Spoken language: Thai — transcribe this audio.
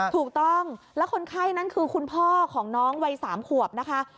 ถูกต้องแล้วคนไข้นั่นคือคุณพ่อของน้องวัย๓ขวบนะคะ